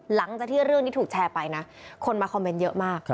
หลังจากที่เรื่องนี้ถูกแชร์ไปนะคนมาคอมเมนต์เยอะมาก